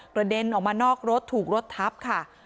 เด็นออกมานอกรถถูกรถทับค่ะ